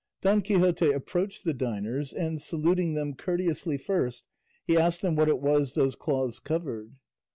Don Quixote approached the diners, and, saluting them courteously first, he asked them what it was those cloths covered.